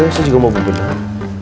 ya sudah saya juga mau bebenah